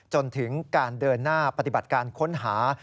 จนถึงการเดินหน้าปฏิบัติการค้นหา